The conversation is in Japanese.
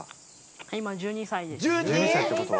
今、１２歳です。